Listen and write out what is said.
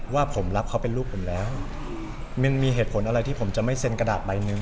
ว่าผมรับเขาเป็นลูกผมแล้วมันมีเหตุผลอะไรที่ผมจะไม่เซ็นกระดาษใบหนึ่ง